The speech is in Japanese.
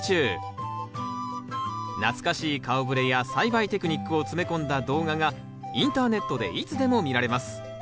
懐かしい顔ぶれや栽培テクニックを詰め込んだ動画がインターネットでいつでも見られます。